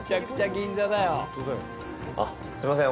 すいません。